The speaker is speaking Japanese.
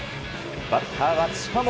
バッターは近本。